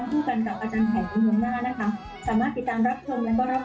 เวลาเราขอพ้อนนะคะหรือเวลาเราอะไรท่านก็น่าจะเมตตาเรา